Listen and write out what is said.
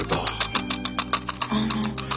あの。